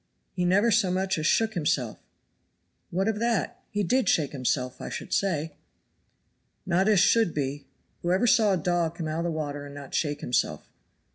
"He never so much as shook himself." "What of that? He did shake himself, I should say." "Not as should be. Who ever saw a dog come out of the water and not shake himself?